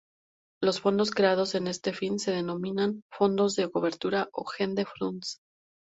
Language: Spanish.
Los fondos creados con este fin se denominan fondos de cobertura o hedge funds.